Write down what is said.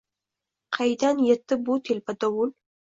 Qaydan yetdi bu telba dovul?